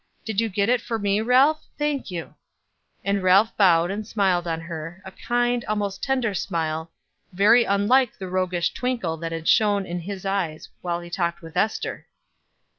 Did you get it for me, Ralph? Thank you." And Ralph bowed and smiled on her, a kind, almost tender smile, very unlike the roguish twinkle that had shone in his eyes while he talked with Ester.